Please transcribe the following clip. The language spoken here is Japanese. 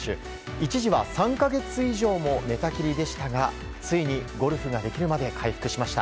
一時は３か月以上も寝たきりでしたがついにゴルフができるまで回復しました。